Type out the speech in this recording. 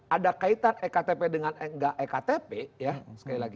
ada kaitan ektp dengan nga